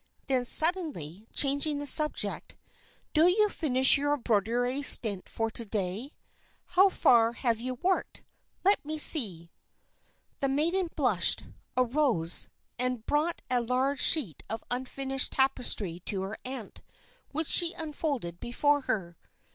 Then suddenly changing the subject, "Did you finish your embroidery stint for to day? How far have you worked? Let me see." The maiden blushed, arose, and brought a large sheet of unfinished tapestry to her aunt, which she unfolded before her.